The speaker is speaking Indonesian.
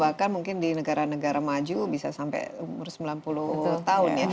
bahkan mungkin di negara negara maju bisa sampai umur sembilan puluh tahun ya